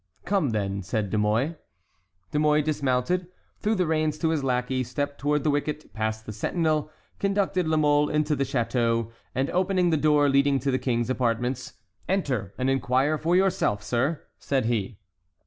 "Come, then," said De Mouy. De Mouy dismounted, threw the reins to his lackey, stepped toward the wicket, passed the sentinel, conducted La Mole into the château, and, opening the door leading to the king's apartments: "Enter, and inquire for yourself, sir," said he.